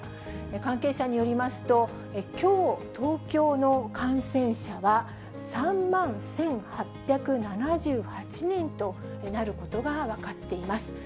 関係者によりますと、きょう、東京の感染者は３万１８７８人となることが分かっています。